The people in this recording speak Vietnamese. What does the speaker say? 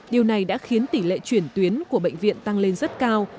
điều này đã khiến tỷ lệ chuyển tuyến của bệnh viện tăng lên rất cao